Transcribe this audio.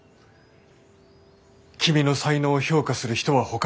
君の才能を評価する人はほかにもいる。